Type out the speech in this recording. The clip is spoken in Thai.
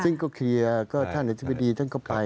ลุงเอี่ยมอยากให้อธิบดีช่วยอะไรไหม